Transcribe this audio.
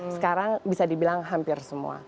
sekarang bisa dibilang hampir semua